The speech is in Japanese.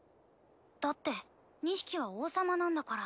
だって２匹は王様なんだから。